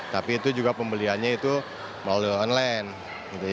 tapi itu juga pembeliannya itu melalui online gitu ya